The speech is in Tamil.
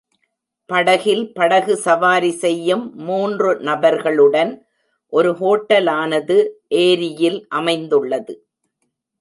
படகில் படகு சவாரி செய்யும் மூன்று நபர்களுடன் ஒரு ஹோட்டலானது ஏரியில் அமைந்துள்ளது.